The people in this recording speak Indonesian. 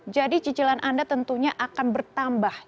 jadi cicilan anda tentunya akan bertambah